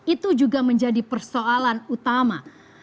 itu juga menjadi persoalan utama